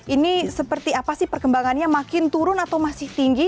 ini seperti apa sih perkembangannya makin turun atau masih tinggi